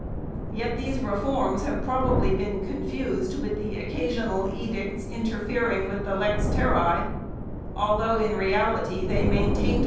Yet these reforms have probably been con fused with the occasional edicts interfering with the "lex terrae," although in reality they maintained lu Select Charters" (ninth edition), pp.